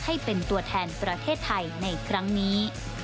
ให้เป็นตัวแทนประเทศไทยในครั้งนี้